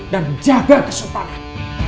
dan jaga kesoparan